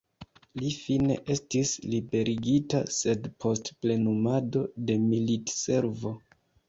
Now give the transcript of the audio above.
Li fine estis liberigita, sed post plenumado de militservo.